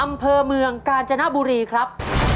อำเภอเมืองกาญจนบุรีครับ